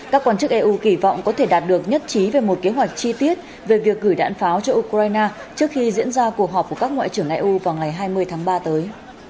các quan chức eu kỳ vọng có thể đạt được nhất trí về một kế hoạch chi tiết về việc gửi đạn pháo cho ukraine trước khi diễn ra cuộc họp của các ngoại trưởng eu vào ngày hai mươi tháng ba tới